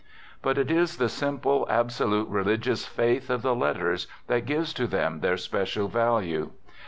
But it is the simple, absolute religious faith of "the letters that gives to them their special value.